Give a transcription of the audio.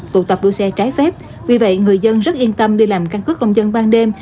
tụ tập đua xe trái phép vì vậy người dân rất yên tâm đi làm căn cứ công dân ban đêm